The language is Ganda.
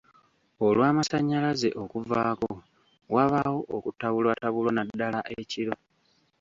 Olw'amasanyalzae okuvaako wabaawo okutabulwatabulwa naddala ekiro.